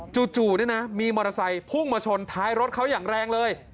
จู่มีมอเตอร์ไซค์พุ่งมาชนท้ายรถเขาอย่างแรงเลย